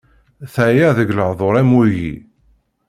Teɛya deg lehdur am wigi.